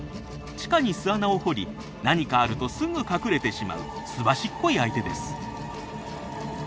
地下に巣穴を掘り何かあるとすぐ隠れてしまうすばしっこい相手です。